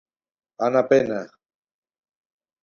Ana Pena.